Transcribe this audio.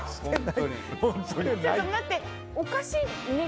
待って、おかしいよね